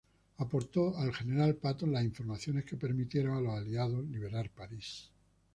Aportó al General Patton las informaciones que permitieron a los aliados liberar París.